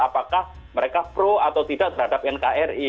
apakah mereka pro atau tidak terhadap nkri